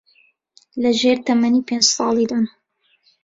لەژێر تەمەنی پێنج ساڵیدان